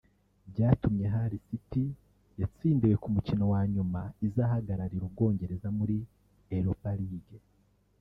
byatumye Hull City yatsindiwe ku mukino wa nyuma izahagararira u Bwongereza muri Europa league